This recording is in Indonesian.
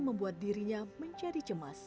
membuat dirinya menjadi cemas